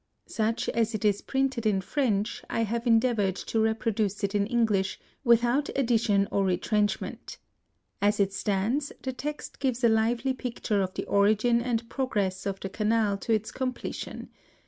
Such as it is printed in French I have endeavoured to reproduce it in Eng lish without addition or retrenchment. As it stands, the text gives a Uvely picture of the origin and progress of the Canal to its completion.